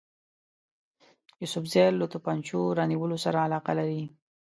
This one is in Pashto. یوسفزي له توپنچو رانیولو سره علاقه لري.